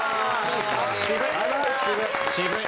渋い！